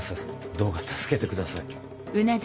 どうか助けてください。